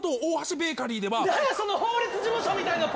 何やその法律事務所みたいなパン屋。